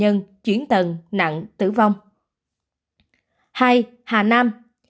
hai hà nam